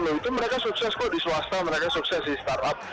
loh itu mereka sukses kok di swasta mereka sukses di startup